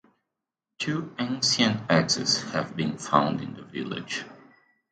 Two ancient axes have been found in the village.